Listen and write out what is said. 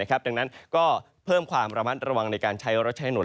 ดังนั้นก็เพิ่มความระมัดระวังในการใช้รถใช้หนุน